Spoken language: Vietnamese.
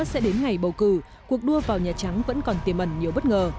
sẽ đến ngày bầu cử cuộc đua vào nhà trắng vẫn còn tiềm ẩn nhiều bất ngờ